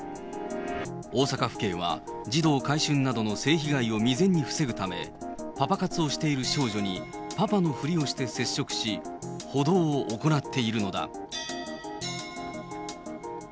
大阪府警は児童買春などの性被害を未然に防ぐため、パパ活をしている少女に、パパのふりをして接触し、補導を行っているのだ。